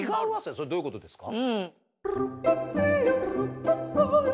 それはどういうことですか？